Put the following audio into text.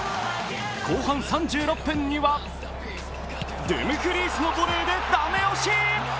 後半３６分には、ドゥムフリースのゴールでダメ押し。